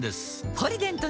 「ポリデント」